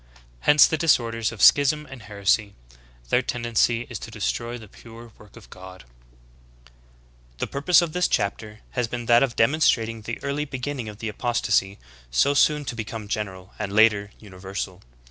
Hence the disorders of schism and heresy. Their tendency is to destroy the pure work of God."^ 2L The purpose of this chapter has been that of demon strating the early beginning of the apostasy, so soon to be come general, and later, universal.